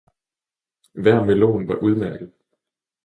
Hver melon var udmærket!